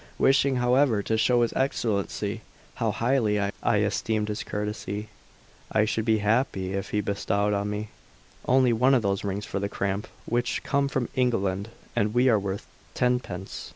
Wishing, however, to show his Excellency how highly I esteemed his courtesy, I should be happy if he bestowed on me only one of those rings for the cramp, which come from England and are worth tenpence.